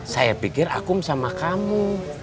saya pikir akum sama kamu